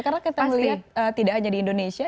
karena kita melihat tidak hanya di indonesia